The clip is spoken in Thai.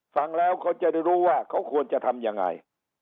ฟังแล้วเขาจะได้รู้ว่าเขาควรจะทำยังไง